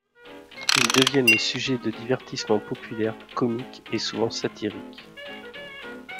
Ils deviennent les sujets de divertissements populaires comiques et souvent satiriques.